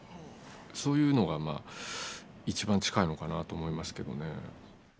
そういうのがいちばん近いのかなと思いますけどね。